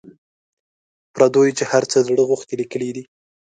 پردیو چي هر څه زړه غوښتي لیکلي دي.